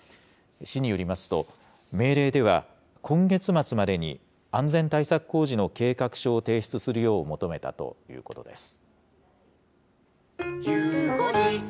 市によりますと、命令では今月末までに安全対策工事の計画書を提出するよう求めたということです。